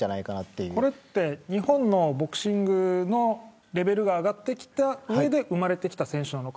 これって日本のボクシングのレベルが上がってきた上で生まれてきた選手なのか。